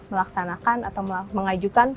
melaksanakan atau mengajukan